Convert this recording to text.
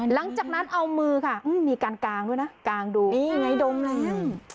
หลังจากนั้นเอามือค่ะอืมมีการกางด้วยน่ะกางดูนี่ไงดงอะไรน่ะ